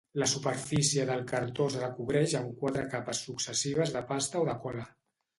La superfície del cartó es recobreix amb quatre capes successives de pasta o de cola.